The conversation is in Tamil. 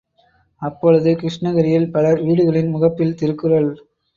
அப்பொழுது கிருஷ்ணகிரியில் பலர் வீடுகளின் முகப்பில் திருக்குறள்.